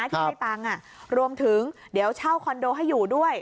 ที่ให้ตังค์รวมถึงเดี๋ยวเช่าคอนโดให้อยู่ด้วย